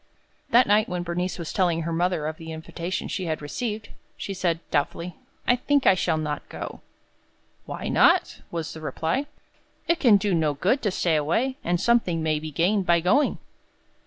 That night when Bernice was telling her mother of the invitation she had received, she said, doubtfully, "I think I shall not go." "Why not?" was the reply. "It can do no good to stay away, and something may be gained by going."